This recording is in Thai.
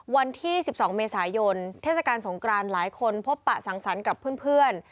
วันที่๑๒เมษายนเทศกาลสงกรานหลายคนพบปะสังสรรค์กับเพื่อน